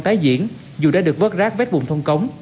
tái diễn dù đã được vớt rác vết vùng thông cống